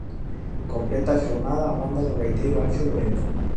Completa a xornada a banda do gaiteiro Anxo Lorenzo.